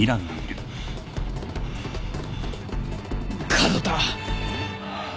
門田。